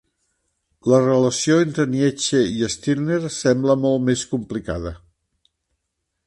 La relació entre Nietzche i Stirner sembla molt més complicada.